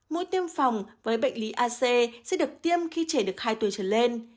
mũi tiêm phòng với bệnh lý ac sẽ được tiêm khi trẻ được hai tuổi trở lên